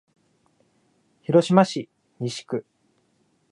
広島市西区